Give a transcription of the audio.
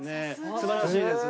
素晴らしいです。